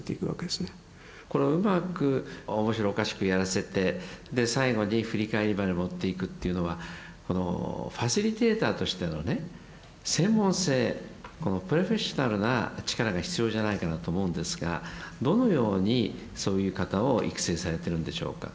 このうまく面白おかしくやらせてで最後に振り返りまで持っていくというのはファシリテーターとしてのね専門性プロフェッショナルな力が必要じゃないかなと思うんですがどのようにそういう方を育成されてるんでしょうか。